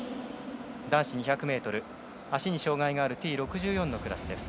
男子２００ｍ足に障がいがあるＴ６４のクラス。